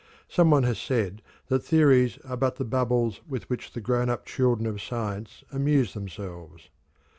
Some one has said that "theories are but the bubbles with which the grown up children of science amuse themselves."